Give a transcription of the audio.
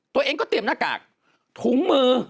ตัวเองก็เตรียมหน้ากากถุงมือ